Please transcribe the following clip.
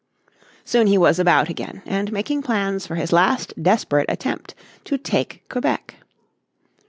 Soon he was about again, and making plans for his last desperate attempt to take Quebec.